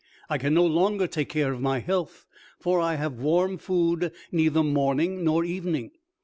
I can no longer take care of my health, for I have warm food neither morning nor evening.